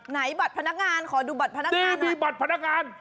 ไหนบัตรพนักงานขอดูบัตรพนักงานหน่อยนี่มีบัตรพนักงาน